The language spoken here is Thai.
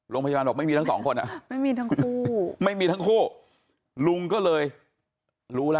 โรงพยาบาลบอกไม่มีทั้งสองคนอ่ะไม่มีทั้งคู่ไม่มีทั้งคู่ลุงก็เลยรู้แล้ว